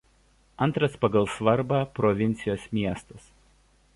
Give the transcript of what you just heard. Antras pagal svarbą provincijos miestas.